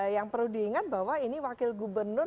yang perlu diingat bahwa ini wakil gubernur